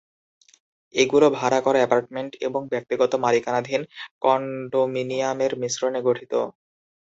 এগুলো ভাড়া করা অ্যাপার্টমেন্ট এবং ব্যক্তিগত মালিকানাধীন কনডমিনিয়ামের মিশ্রণে গঠিত।